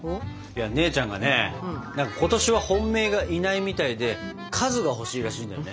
姉ちゃんがね今年は本命がいないみたいで数が欲しいらしいんだよね。